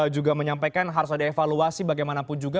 juga menyampaikan harus ada evaluasi bagaimanapun juga